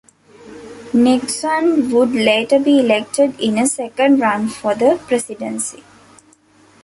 Nixon would later be elected in a second run for the presidency.